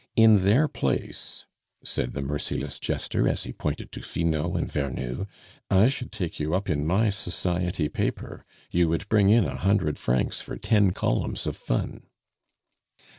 In their place," said the merciless jester, as he pointed to Finot and Vernou, "I should take you up in my society paper; you would bring in a hundred francs for ten columns of fun."